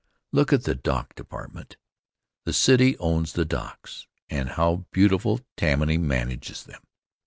Look at the Dock Department! The city owns the docks, and how beautiful Tammany manages them!